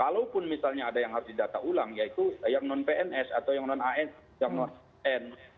walaupun misalnya ada yang harus didata ulang yaitu yang non pns atau yang non an